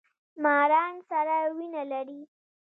ماران سړه وینه لري